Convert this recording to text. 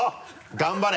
頑張れ。